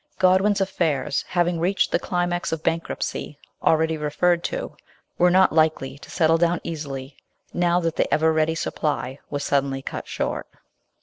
Godwin's affairs having reached the climax of bankruptcy already referred to, were not likely to settle down easily now that the ever ready supply was suddenly cut short.